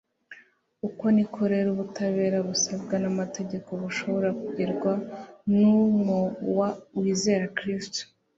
Uko niko rero ubutabera busabwa n'amategeko bushobora kugerwaho n'uumuW wizera Kristo.